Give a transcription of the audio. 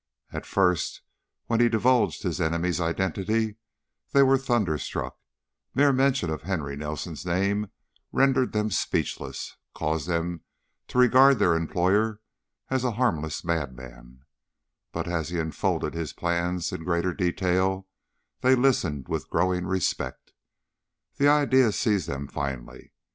At first, when he divulged his enemy's identity, they were thunderstruck; mere mention of Henry Nelson's name rendered them speechless and caused them to regard their employer as a harmless madman, but as he unfolded his plans in greater detail they listened with growing respect. The idea seized them finally.